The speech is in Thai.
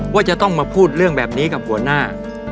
ว่าจะต้องมาพูดเรื่องแบบนี้กับหัวหน้า